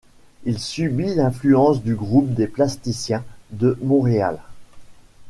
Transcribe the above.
Il subit l'influence du groupe des Plasticiens de Montréal.